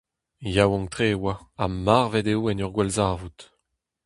Yaouank-tre e oa ha marvet eo en ur gwallzarvoud.